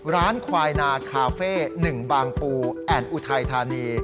ร้านควายนาคาเฟ่๑บางปูแอ่นอุทัยธานี